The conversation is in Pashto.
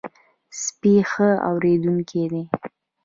سپي ښه اورېدونکي دي.